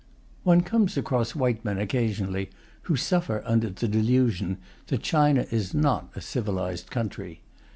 One comes across white men occasionally who suffer under the delusion that China is not a civilized country.